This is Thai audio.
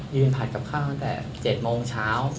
ผัดกับข้าวตั้งแต่๗โมงเช้า